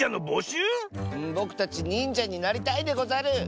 ぼくたちにんじゃになりたいでござる！